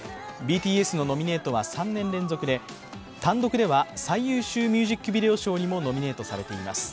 ＢＴＳのノミネートは３年連続で単独では最優秀ミュージックビデオ賞にもノミネートされています。